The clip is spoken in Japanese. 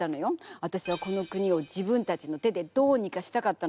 あたしはこの国を自分たちの手でどうにかしたかったの。